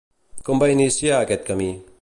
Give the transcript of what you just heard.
I com va iniciar aquest camí?